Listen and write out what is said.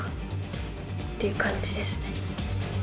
っていう感じですね。